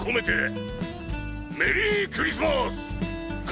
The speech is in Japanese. メリークリスマス！